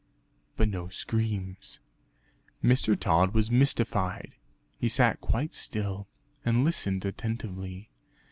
But no screams. Mr. Tod was mystified; he sat quite still, and listened attentively.